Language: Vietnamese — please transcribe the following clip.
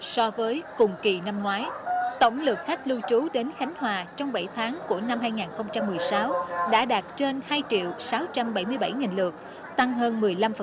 so với cùng kỳ năm ngoái tổng lượng khách lưu trú đến khánh hòa trong bảy tháng của năm hai nghìn một mươi sáu đã đạt trên hai sáu trăm bảy mươi bảy lượt tăng hơn một mươi năm